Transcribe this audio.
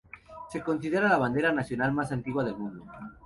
Se considera la bandera nacional más antigua del mundo.